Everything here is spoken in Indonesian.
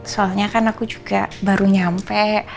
soalnya kan aku juga baru nyampe